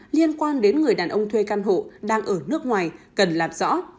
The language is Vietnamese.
liên quan đến người đàn ông thuê căn hộ đang ở nước ngoài cần lạp rõ